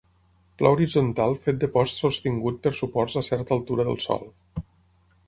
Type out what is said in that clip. Pla horitzontal fet de posts sostingut per suports a certa altura del sòl.